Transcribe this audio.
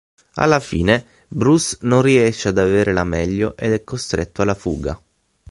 Alla fine Bruce non riesce ad avere la meglio ed è costretto alla fuga.